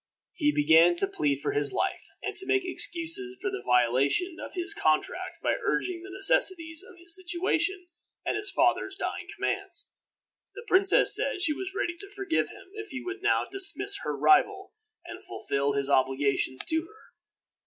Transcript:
He began to plead for his life, and to make excuses for the violation of his contract by urging the necessities of his situation and his father's dying commands. The princess said she was ready to forgive him if he would now dismiss her rival and fulfill his obligations to her.